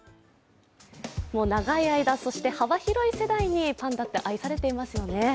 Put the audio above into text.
もう長い間、そして幅広い世代にパンダって愛されていますよね。